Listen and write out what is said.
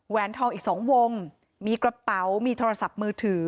ทองอีก๒วงมีกระเป๋ามีโทรศัพท์มือถือ